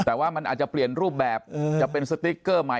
แต่ว่ามันอาจจะเปลี่ยนรูปแบบจะเป็นสติ๊กเกอร์ใหม่